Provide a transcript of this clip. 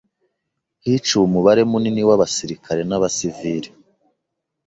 Hiciwe umubare munini w'abasirikare n'abasivili.